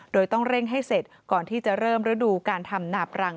โดยต้องเร่งให้เสร็จก่อนที่จะเริ่มฤดูการทำนาบรัง